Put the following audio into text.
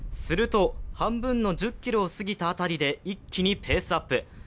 すると半分の１０ｋｍを過ぎた辺りで一気にペースアップ。